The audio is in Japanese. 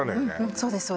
そうです